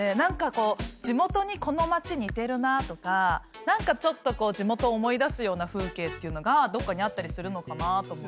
こう地元にこの街似てるなとかちょっと地元思い出すような風景っていうのがどっかにあったりするのかなと。